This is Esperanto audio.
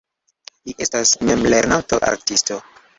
Li estas memlernanto artisto.